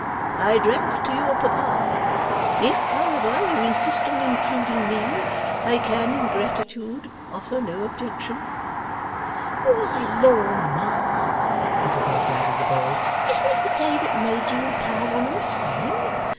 I drank to your papa. If, however, you insist on including me, I can in gratitude offer no objection.' 'Why, Lor, Ma,' interposed Lavvy the bold, 'isn't it the day that made you and Pa one and the same?